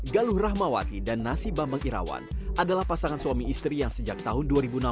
galuh rahmawati dan nasi bambang irawan adalah pasangan suami istri yang sejak tahun dua ribu enam belas